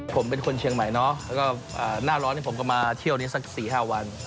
ผมเป็นคนเชียงใหม่เนาะแล้วก็หน้าร้อนผมก็มาเที่ยวนี้สัก๔๕วัน